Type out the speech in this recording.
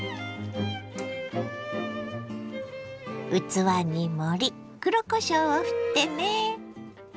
器に盛り黒こしょうをふってね。